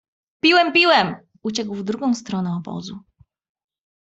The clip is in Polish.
Piłem, piłem! — uciekł w drugą stronę obozu.